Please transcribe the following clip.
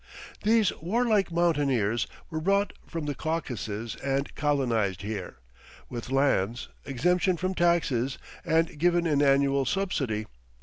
These warlike mountaineers were brought from the Caucasus and colonized here, with lands, exemption from taxes, and given an annual subsidy.